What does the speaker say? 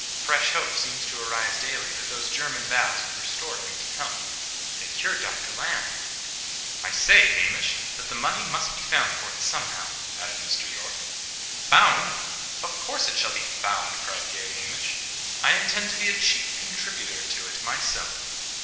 "Fresh hope seems to arise daily that those German baths would restore him to health. They cured Dr. Lamb." "I say, Hamish, that the money must be found for it somehow," added Mr. Yorke. "Found! of course it shall be found," cried gay Hamish. "I intend to be a chief contributor to it myself."